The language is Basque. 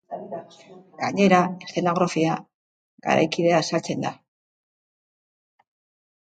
Gainera, eszenografia garaikidea azaltzen da.